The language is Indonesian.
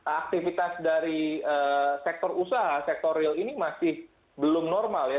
aktivitas dari sektor usaha sektor real ini masih belum normal ya